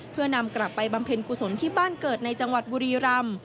เพื่อนำกลับไปบำเพ็ญกุศลที่บ้านเกิดในจังหวัดบุรีรำ